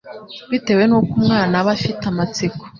bitewe n'uko umwana aba afite amatsiko